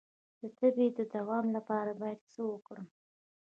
د تبې د دوام لپاره باید څه وکړم؟